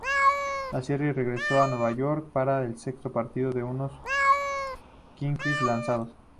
La serie regresó a Nueva York para el sexto partido con unos Knicks lanzados.